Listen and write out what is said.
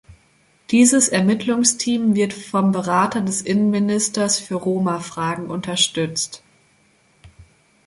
Dieses Ermittlungsteam wird vom Berater des Innenministers für Roma-Fragen unterstützt.